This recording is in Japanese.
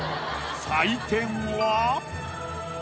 採点は。